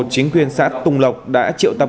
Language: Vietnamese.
chính quyền xã tùng lộc đã triệu tập